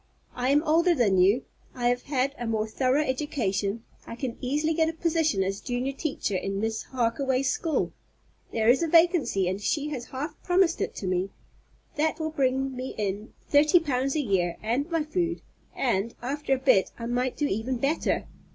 I am older than you, I have had a more thorough education, I can easily get a position as junior teacher in Miss Harkaway's school. There is a vacancy, and she has half promised it to me. That will bring me in thirty pounds a year and my food, and, after a bit, I might do even better.